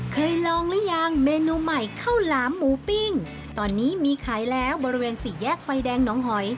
เคยลองหรือยังเมนูใหม่ข้าวหลามหมูปิ้งตอนนี้มีขายแล้วบริเวณสี่แยกไฟแดงน้องหอย